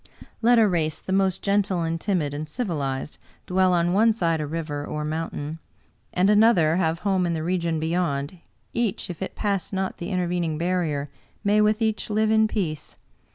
Let a race the most gentle and timid and civilized dwell on one side a river or mountain, and another have home in the region beyond, each, if it pass not the in tervening barrier, may with each live in peace.